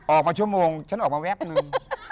ออกมาชั่วโมงฉันออกมาแวบนึง